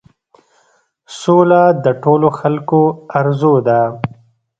سوله د ټولو خلکو آرزو ده.